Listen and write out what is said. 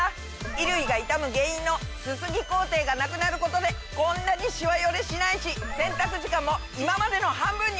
衣類が傷む原因のすすぎ工程がなくなることでこんなにシワヨレしないし洗濯時間も今までの半分に！